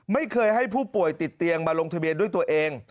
ไม่เคยให้ผู้ป่วยติดเตียงมาลงทะเบียนด้วยตัวเอง